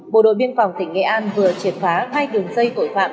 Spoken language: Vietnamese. bộ đội biên phòng tỉnh nghệ an vừa triệt phá hai đường dây tội phạm